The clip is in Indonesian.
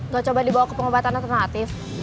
gak coba dibawa ke pengobatan alternatif